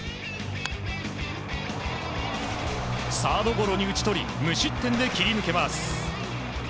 サードゴロに打ち取り無失点で切り抜けます。